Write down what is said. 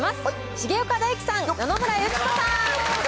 重岡大毅さん、野々村友紀子さん。